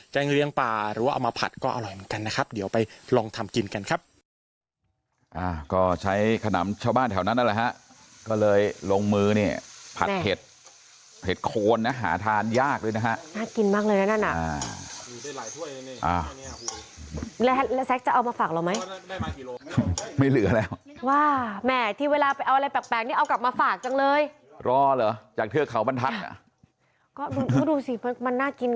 เลี้ยงปลาหรือว่าเอามาผัดก็อร่อยเหมือนกันนะครับเดี๋ยวไปลองทำกินกันครับ